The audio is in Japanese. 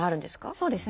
そうですね。